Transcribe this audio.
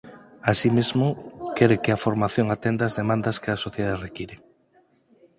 Así mesmo quere que a formación atenda ás demandas que a sociedade require.